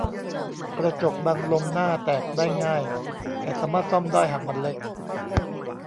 กระจกบังลมหน้าแตกได้ง่าย แต่สามารถซ่อมได้หากมันเล็ก